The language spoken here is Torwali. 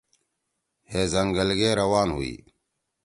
ہے زنگل گے روان ہُویی۔